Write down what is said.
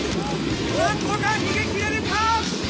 何とか逃げ切れるか？